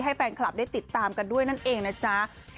ให้แฟนคลับได้ติดตามกันด้วยนั่นเองนะจ๊ะ